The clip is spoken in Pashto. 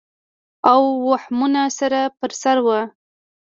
او وهمونه سر پر سر وو